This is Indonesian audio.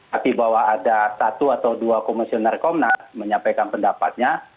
tapi bahwa ada satu atau dua komisioner komnas menyampaikan pendapatnya